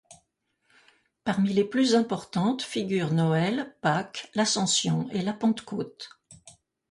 Parmi les plus importantes figurent Noël, Pâques, l'Ascension et la Pentecôte.